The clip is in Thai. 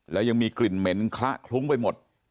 แล้วก็ยัดลงถังสีฟ้าขนาด๒๐๐ลิตร